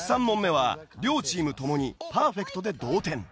３問目は両チームともにパーフェクトで同点。